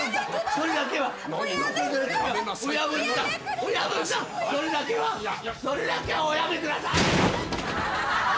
それだけはおやめください！